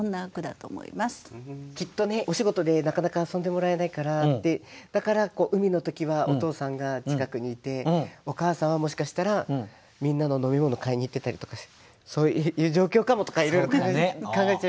きっとねお仕事でなかなか遊んでもらえないからってだから海の時はお父さんが近くにいてお母さんはもしかしたらみんなの飲み物買いに行ってたりとかしてそういう状況かもとかいろいろ考えちゃいますね。